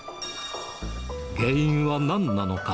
原因はなんなのか。